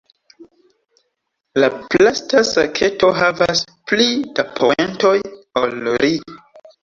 La plasta saketo havas pli da poentoj ol ri.